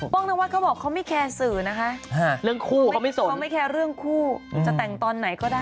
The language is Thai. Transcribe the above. ป้องนวัตรเขาบอกเขาไม่แค่สื่อนะคะค่ะจะแต่งตอนไหนก็ได้